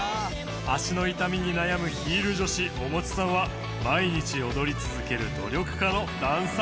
足の痛みに悩むヒール女子おもちさんは毎日踊り続ける努力家のダンサーさんでした。